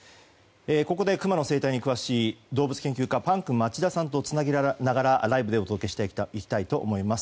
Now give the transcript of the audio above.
ここで、クマの生態に詳しい動物研究家のパンク町田さんとつなげながらライブでお届けしたいと思います。